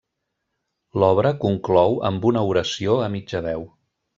L'obra conclou amb una oració a mitja veu.